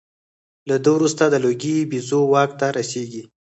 له ده وروسته د لوګي بیزو واک ته رسېږي.